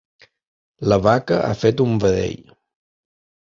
La vaca ha fet un vedell.